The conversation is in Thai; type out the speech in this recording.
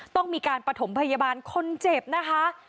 ต้องมีการประถมพยาบาลคนเจ็บนะคะ